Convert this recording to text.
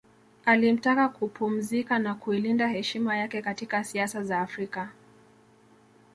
Alimtaka kupumzika na kuilinda heshima yake katika siasa za Afrika